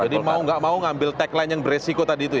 jadi nggak mau ngambil tagline yang berisiko tadi itu ya